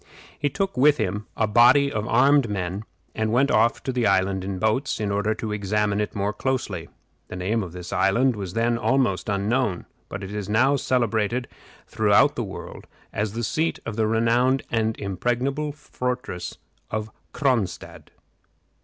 He took with him a body of armed men, and went off to the island in boats, in order to examine it more closely. The name of this island was then almost unknown, but it is now celebrated throughout the world as the seat of the renowned and impregnable fortress of Cronstadt.